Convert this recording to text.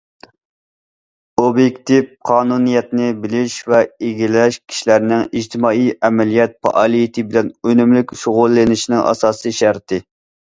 ئوبيېكتىپ قانۇنىيەتنى بىلىش ۋە ئىگىلەش كىشىلەرنىڭ ئىجتىمائىي ئەمەلىيەت پائالىيىتى بىلەن ئۈنۈملۈك شۇغۇللىنىشىنىڭ ئاساسىي شەرتى.